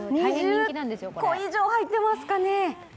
２０個以上入っていますかね。